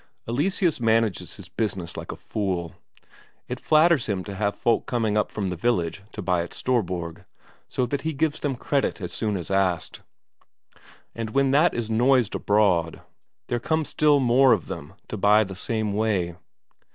Eleseus manages his business like a fool. It flatters him to have folk coming up from the village to buy at Storborg, so that he gives them credit as soon as asked; and when this is noised abroad, there come still more of them to buy the same way.